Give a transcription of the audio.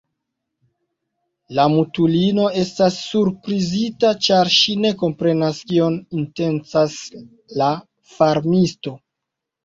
La mutulino estas surprizita, ĉar ŝi ne komprenas, kion intencas la farmisto.